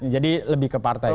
jadi lebih ke partai